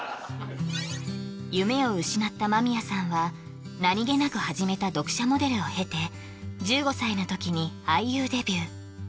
夢を失った間宮さんは何気なく始めた読者モデルを経て１５歳の時に俳優デビュー